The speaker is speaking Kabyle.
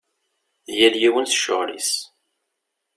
Yal yiwen s ccɣel-is.